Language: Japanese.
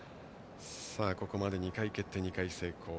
ここまで２回蹴って２回成功。